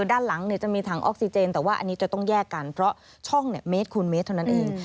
ด้านหลังจะมีถังออกซิเจนแต่ว่าอันนี้จะต้องแยกกันเพราะช่องเมตรคูณเมตรเท่านั้นเอง